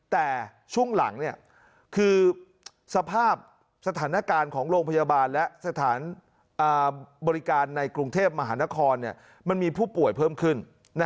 แต่ช่วงหลังคือสภาพสถานการณ์ของโรงพยาบาลและสถานบริการในกรุงเทพมหานครมันมีผู้ป่วยเพิ่มขึ้น